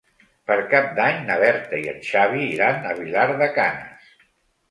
Per Cap d'Any na Berta i en Xavi iran a Vilar de Canes.